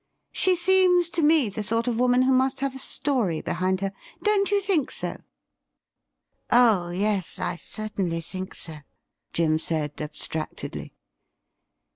She seems to me the sort of woman who must have a story behind her. Don't you think so P' ' Oh yes, I certainly think so,' Jim said abstractedly.